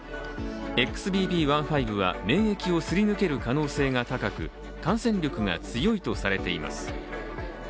ＸＢＢ．１．５は、免疫をすり抜ける可能性が高く感染力が強いとされています。